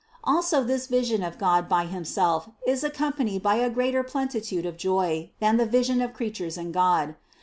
Also this vision of God by Himself is accom panied by a greater plenitude of joy than the vision of creatures in God.